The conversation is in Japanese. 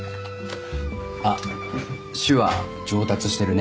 あっ手話上達してるね。